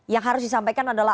yang harus disampaikan adalah